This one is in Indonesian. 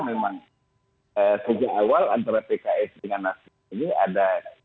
memang sejak awal antara pks dengan nasdem ini ada